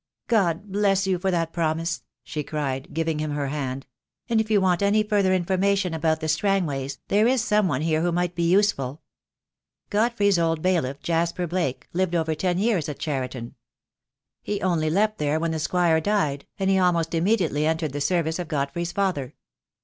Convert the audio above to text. "Good bless you for that promise," she cried, giving him her hand, "and if you want any further information about the Strangways there is some one here who may be useful. Godfrey's old bailiff, Jasper Blake, lived over ten years at Cheriton. He only left there when the Squite died, and he almost immediately entered the service of Godfrey's father.